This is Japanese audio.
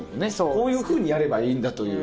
こういうふうにやればいいんだという。